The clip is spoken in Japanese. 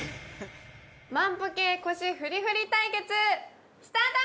万歩計腰ふりふり対決スタート！